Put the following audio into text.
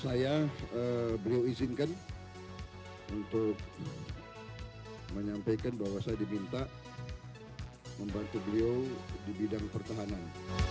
saya beliau izinkan untuk menyampaikan bahwa saya diminta membantu beliau di bidang pertahanan